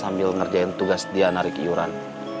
sambil ngerjain tugas dia narik iuran